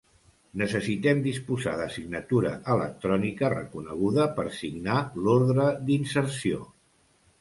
Necessitem disposar de signatura electrònica reconeguda per signar l'ordre d'inserció.